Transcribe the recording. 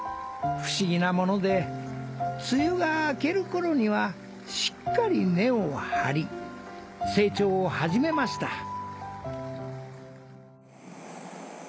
不思議なもので梅雨が明ける頃にはしっかり根を張り成長を始めました。